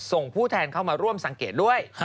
ผู้แทนเข้ามาร่วมสังเกตด้วย